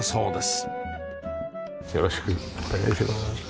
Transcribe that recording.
よろしくお願いします。